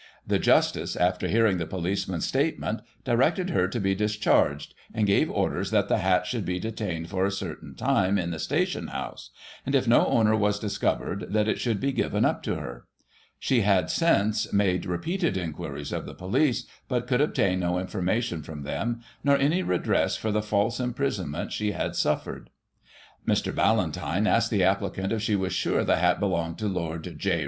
The justice, after hearing the policeman's statement, directed her to be discharged, and gave orders that the hat should be detained for a certain time, in the station house ; and, if no owner was discovered, that it should be given up to her. She had, since, made repeated inquiries of the police, but could obtain no information from them, nor ciny redress for the false imprisonment she had suffered. Mr. Ballantyne asked the applicant if she was sure the hat belonged to Lord J.